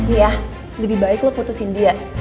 iya lebih baik lo putusin dia